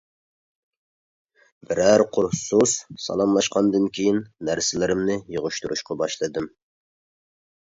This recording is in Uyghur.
بىرەر قۇر سۇس سالاملاشقاندىن كېيىن نەرسىلىرىمنى يىغىشتۇرۇشقا باشلىدىم.